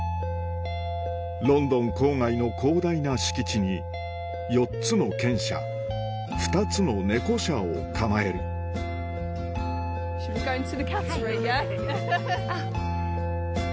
ロンドン郊外の広大な敷地に４つの犬舎２つの猫舎を構えるあ！